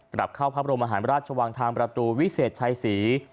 กลับเข้าพระบรมหารราชวังทางประตูวิเศษชัยศรี